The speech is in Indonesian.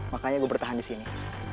makanya gue bertahan di sini